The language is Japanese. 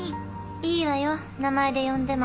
いいわよ名前で呼んでも。